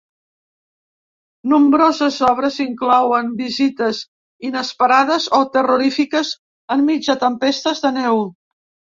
Nombroses obres inclouen visites inesperades o terrorífiques enmig de tempestes de neu.